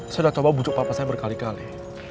saya sudah coba bujuk papa saya berkali kali